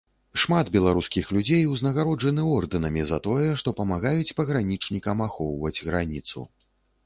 Шмат беларускіх людзей узнагароджаны ордэнамі за тое, што памагаюць пагранічнікам ахоўваць граніцу.